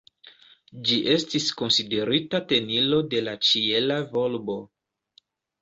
Ĝi estis konsiderita tenilo de la ĉiela volbo.